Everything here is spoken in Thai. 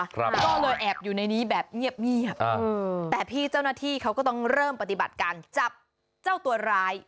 ก็เลยแอบอยู่ในนี้แบบเงียบแต่พี่เจ้าหน้าที่เขาก็ต้องเริ่มปฏิบัติการจับเจ้าตัวร้าย